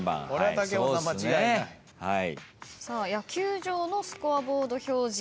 野球場のスコアボード表示